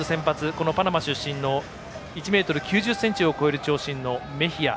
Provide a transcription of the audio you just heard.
このパナマ出身の１ｍ９０ｃｍを超える長身のメヒア。